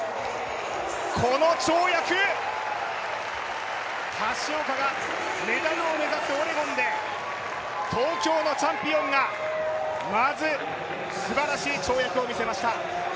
この跳躍、橋岡がメダルを目指すオレゴンで東京のチャンピオンがまず素晴らしい跳躍を見せました。